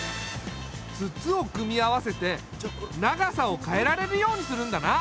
筒を組み合わせて長さを変えられるようにするんだな。